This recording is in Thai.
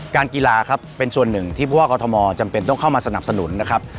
การกีฬาครับเป็นส่วนหนึ่งที่ผู้ว่ากรทมจำเป็นต้องเข้ามาสนับสนุนนะครับ